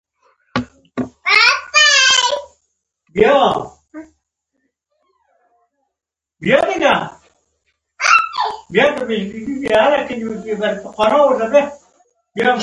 ددې اختر دبخښل شووپه کتار کې راشي